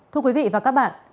thưa quý vị và các bạn